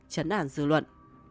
chấn ản dư luận